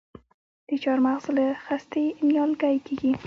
د چهارمغز له خستې نیالګی کیږي؟